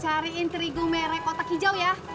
cariin terigu merek kotak hijau ya